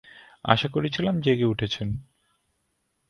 আশা করছিলাম জেগে উঠেছেন!